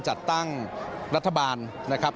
ไปทางแนวไหนค่ะพี่ท๊อป